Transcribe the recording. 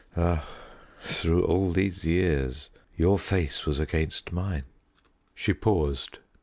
Ah, through all these years your face was against mine." She paused.